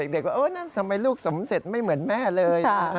เด็กว่าเออนั่นทำไมลูกสมเสร็จไม่เหมือนแม่เลย